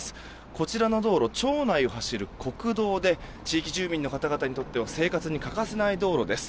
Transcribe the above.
こちらの道路、町内を走る国道で地域住民の方々にとっては生活に欠かせない道路です。